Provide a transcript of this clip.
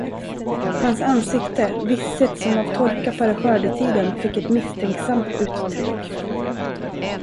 Hans ansikte, visset som av torka före skördetiden, fick ett misstänksamt uttryck.